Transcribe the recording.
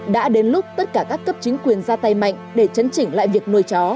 đã đến lúc tất cả các cấp chính quyền ra tay mạnh để chấn chỉnh lại việc nuôi chó